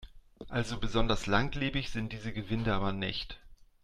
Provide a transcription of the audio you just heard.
Also besonders langlebig sind diese Gewinde aber nicht.